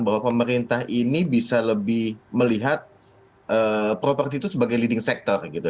bahwa pemerintah ini bisa lebih melihat properti itu sebagai leading sector gitu